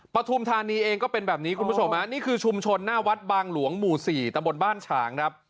ปฐุมธานีเองก็เป็นแบบนี้คุณผู้ชมฮะนี่คือชุมชนหน้าวัดบางหลวงหมู่๔ตำบลบ้านฉางครับ